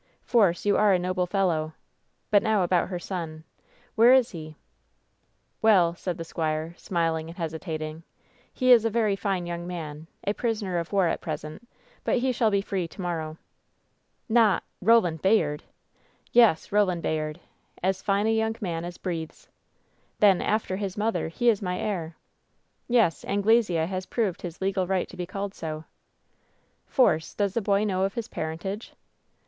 "Force, you are a noble fellow I But now about her son. Where is he ?" "Well," said the squire, smiling and hesitating, "he is a very fine young man, a prisoner of war at present, but he shall be free to morrow." "Not— Eoland Bayard !" "Yes, Roland Bayard. As fine a young man as breathes." "Then, after his mother, he is my heir." "Yes, Anglesea has proved his legal right to be called so." "Force, does the boy know of his parentage?"